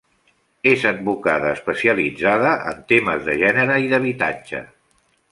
És advocada especialitzada en temes de gènere i d'habitatge.